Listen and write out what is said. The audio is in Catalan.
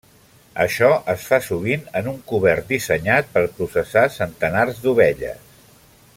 Això es fa sovint en un cobert dissenyat per processar centenars d'ovelles.